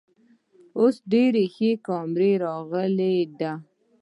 اوس ډیرې ښې کامرۍ راغلی ده